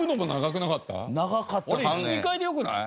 あれ１２回でよくない？